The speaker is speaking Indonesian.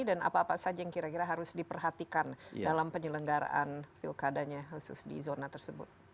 apa apa saja yang kira kira harus diperhatikan dalam penyelenggaraan pilkadanya khusus di zona tersebut